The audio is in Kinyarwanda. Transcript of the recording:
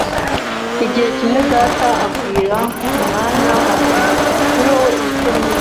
Igihe kimwe Data abwira Mwana ati Muri wowe Imico myiza